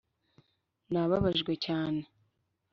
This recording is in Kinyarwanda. nababajwe cyane.